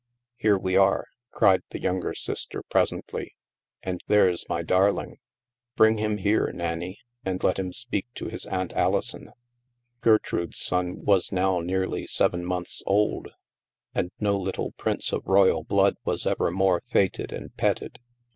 " Here we are," cried the younger sister pres ently. " And there's my darling. Bring him here, Nannie, and let him speak to his Aunt Alison." Gertrude's son was now nearly seven months old, and no little prince of royal blood was ever more feted and petted.